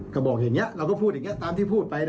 ก็บอกอย่างนี้เราก็พูดอย่างนี้ตามที่พูดไป